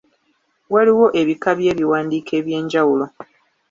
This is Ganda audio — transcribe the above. Waliwo ebika by'ebiwandiiko eby'enjawulo.